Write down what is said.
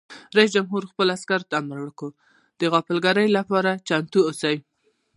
رئیس جمهور خپلو عسکرو ته امر وکړ؛ د غافلګیرۍ لپاره چمتو اوسئ!